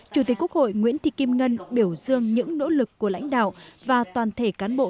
chủ tịch quốc hội nguyễn thị kim ngân biểu dương những nỗ lực của lãnh đạo và toàn thể cán bộ